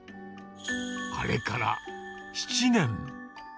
あれから７年。